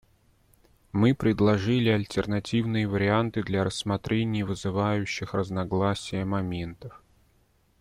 Мы предложили альтернативные варианты для рассмотрения вызывающих разногласия моментов.